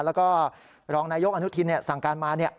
แล้วก็รองนายกอนุทินสั่งการมา